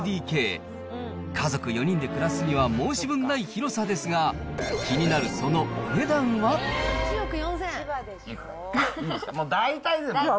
家族４人で暮らすには申し分ない広さですが、気になるそのお値段いくら？